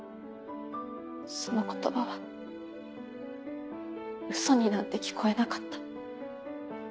その言葉はウソになんて聞こえなかった。